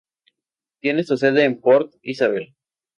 Tiene su sede en Port Isabel.